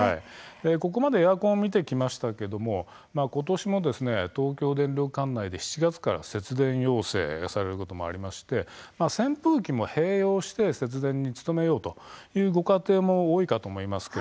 ここまでエアコンを見てきましたが今年も東京電力管内で７月から節電要請されることもありまして扇風機も併用して節電に努めようというご家庭も多いかと思います。